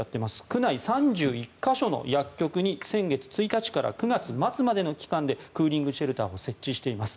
区内３１か所の薬局に先月１日から９月末までの期間でクーリングシェルターを設置しています。